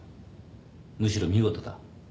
むしろ見事だ。